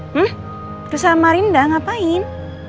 hmm ke samarinda ngapain